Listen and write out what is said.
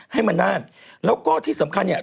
ให้มันได้แล้วก็ที่สำคัญเนี่ย